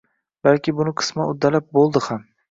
balki buni qisman uddalab bo‘ldi ham.